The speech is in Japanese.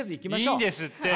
いいんですって。